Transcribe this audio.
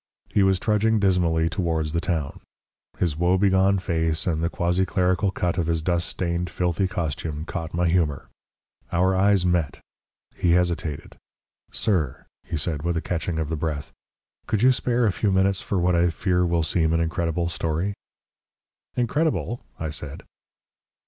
He was trudging dismally towards the town. His woebegone face and the quasi clerical cut of his dust stained, filthy costume caught my humour. Our eyes met. He hesitated. "Sir," he said, with a catching of the breath, "could you spare a few minutes for what I fear will seem an incredible story?" "Incredible!" I said.